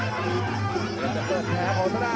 ทัน๑๓แล้วอัตรา